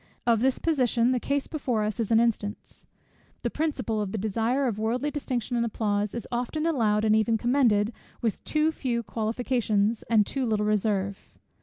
Of this position, the case before us is an instance. This principle of the desire of worldly distinction and applause, is often allowed, and even commended, with too few qualifications, and too little reserve.